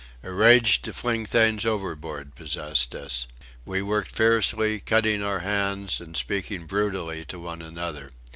A rage to fling things overboard possessed us. We worked fiercely, cutting our hands and speaking brutally to one another.